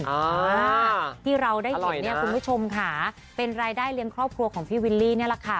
อ่าที่เราได้เห็นเนี่ยคุณผู้ชมค่ะเป็นรายได้เลี้ยงครอบครัวของพี่วิลลี่นี่แหละค่ะ